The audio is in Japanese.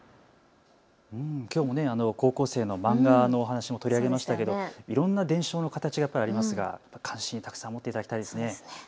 きょうも高校生の漫画の話も取り上げましたけどいろんな伝承の形がありますが、関心たくさん持っていただきたいですね。